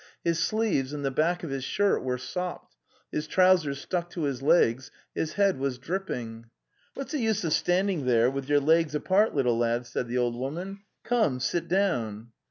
His sleeves and the back of his shirt were sopped, his trousers stuck to his legs, his head was dripping. '" What's the use of standing there, with your legs apart, little lad?" said the old woman. '' Come, sit down."